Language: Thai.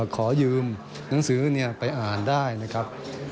ขอยืมหนังสือไปอ่านได้นะครับ